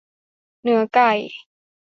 เนื้อไก่